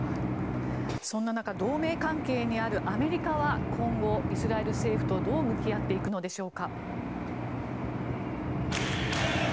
そんな中同盟関係にあるアメリカは今後、イスラエル政府とどう向き合っていくのでしょうか。